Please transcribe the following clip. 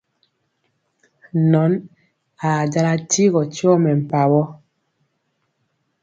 Nɔn ajala tigɔ tyɔ mɛmpawɔ.